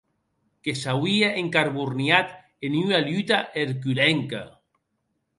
Que s’auie encarborniat en ua luta erculenca.